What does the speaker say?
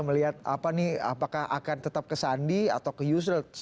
melihat apa nih apakah akan tetap ke sandi atau ke yusril